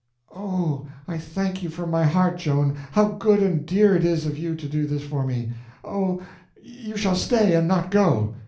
"Oh, I thank you from my heart, Joan! How good and dear it is of you to do this for me! Oh, you shall stay, and not go!"